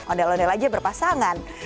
ondel ondel aja berpasangan